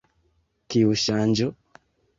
Kiu ŝanĝo?